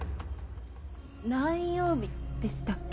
何曜日でしたっけ？